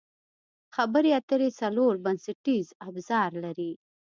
خبرې اترې څلور بنسټیز ابزار لري.